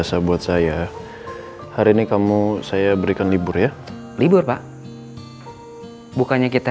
kasih banyak ya